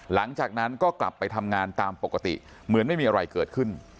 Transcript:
หลังจากนั้นก็กลับไปทำงานตามปกติเหมือนไม่มีอะไรเกิดขึ้น